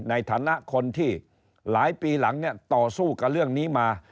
ในฐานะคนที่หลายปีหลังเนี่ยต่อสู้กับเรื่องนี้มา